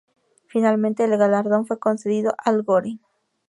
Finalmente el galardón fue concedido a Al Gore.